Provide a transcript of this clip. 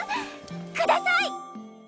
ください！